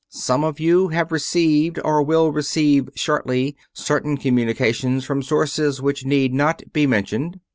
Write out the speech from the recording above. Some of you have received, or will receive shortly, certain communications from sources which need not be mentioned.